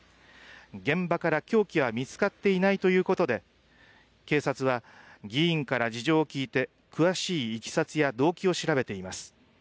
現場から凶器は見つかっていないということで警察は議員から事情を聴いて詳しいいきさつや動機を調べています。